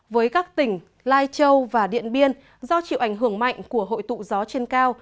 với các tỉnh lai châu và điện biên do chịu ảnh hưởng mạnh của hội tụ gió trên cao